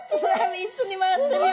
一緒に回ってるよ！